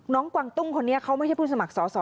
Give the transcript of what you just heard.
กวางตุ้งคนนี้เขาไม่ใช่ผู้สมัครสอสอ